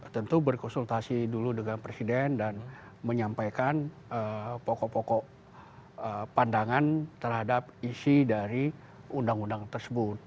tentu berkonsultasi dulu dengan presiden dan menyampaikan pokok pokok pandangan terhadap isi dari undang undang tersebut